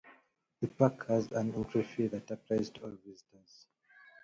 The park has an entry fee that applies to all visitors.